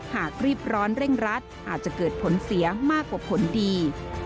หากรีบร้อนเร่งรัดอาจจะเกิดผลเสียมากกว่าผลดี